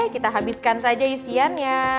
kita habiskan saja isiannya